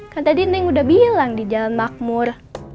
kata dining udah bilang di jalan makmur